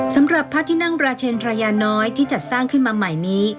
สำหรับพระที่นั่งราชเชนทรยาน้อยที่จัดสร้างขึ้นมาใหม่นี้